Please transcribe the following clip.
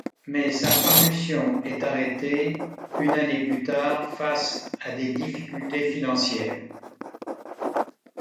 Mais sa parution est arrêtée une année plus tard, face à des difficultés financières.